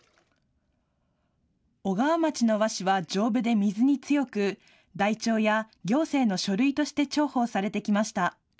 小川町の和紙は丈夫で水に強く台帳や行政の書類として重宝されてきました。